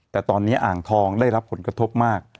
แต่ตอนนี้อ่างทองได้รับผลกระทบมาก